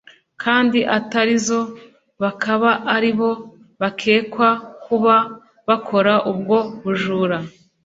kandi atari zo bakaba ari bo bakekwa kuba bakora ubwo bujura